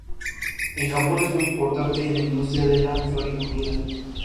Estudió arte en Atenas y cerámica en Faenza, Italia.